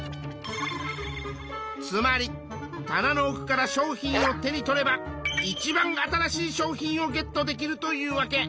つまり棚の奥から商品を手に取ればいちばん新しい商品をゲットできるというわけ。